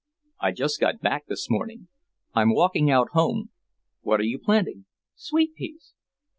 "I just got back this morning. I'm walking out home. What are you planting?" "Sweet peas."